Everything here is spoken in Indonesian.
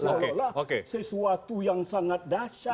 seolah olah sesuatu yang sangat dasar